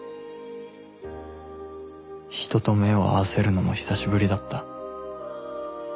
人と目を合わせるのも久しぶりだった